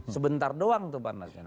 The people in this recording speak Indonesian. sebentar doang tuh panasnya